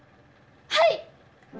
はい！